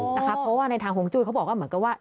เพราะว่าในทางฮวงจุ้ยเขาบอกว่าเหมือนกับว่า